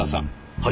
はい。